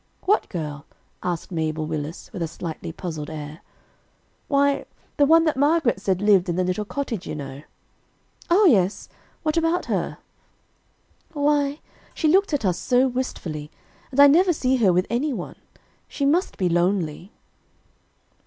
"What girl?" asked Mabel Willis, with a slightly puzzled air. "Why, the one that Margaret said lived in the little cottage you know." "O yes. What about her?" "Why she looked at us so wistfully, and I never see her with anyone; she must be lonely."